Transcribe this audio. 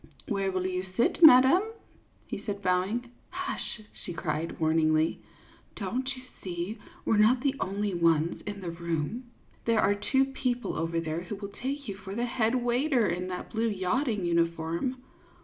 " Where will you sit, madam ?" he said, bowing. "Hush," she cried, warningly; "don't you see CLYDE MOORFIELD, YACHTSMAN. 4! we 're not the only ones in the room ? There are two people over there who will take you for the head waiter, in that blue yachting uniform.